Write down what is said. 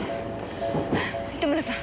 糸村さん